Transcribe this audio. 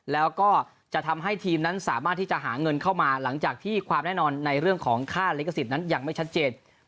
แล้วก็จะทำให้ทีมนั้นสามารถที่จะหาเงินเข้ามาหลังจากที่ความแน่นอนในเรื่องของค่าลิขสิทธิ์นั้นยังไม่ชัดเจน